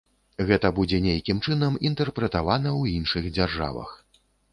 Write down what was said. Гэта будзе нейкім чынам інтэрпрэтавана ў іншых дзяржавах.